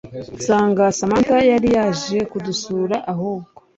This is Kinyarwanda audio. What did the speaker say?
nsanga Samantha yari yaje kudusura ahubwo